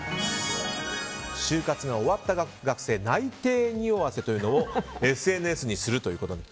終活が終わった学生内定匂わせということをＳＮＳにするということで。